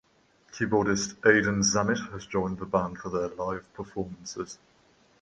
Keyboardist Aidan Zammit has joined the band for their live performances.